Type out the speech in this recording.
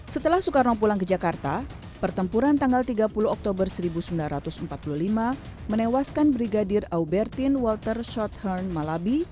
setelah soekarno pulang ke jakarta pertempuran tanggal tiga puluh oktober seribu sembilan ratus empat puluh lima menewaskan brigadir aubertin walter shothern malabi